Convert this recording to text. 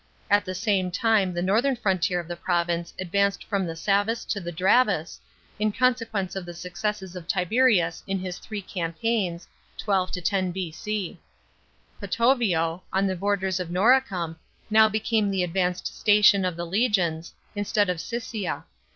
At the same time the northern frontier of the province advanced from the Savus to the Dravus, in consequence of the successes of Tiberius in his three campaigns (12 10 B.C.). Poetovio, on the borders of Noricum, now became the advanced station of the legions, instead of Siscia.